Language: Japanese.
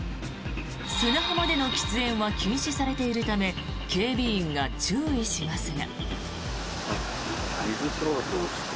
砂浜での喫煙は禁止されているため警備員が注意しますが。